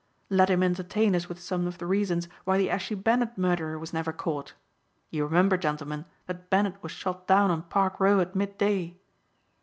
Let him entertain us with some of the reasons why the Ashy Bennet murderer was never caught. You remember, gentlemen, that Bennet was shot down on Park Row at midday.